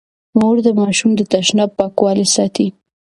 مور د ماشوم د تشناب پاکوالی ساتي.